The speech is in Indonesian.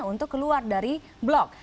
untuk keluar dari blok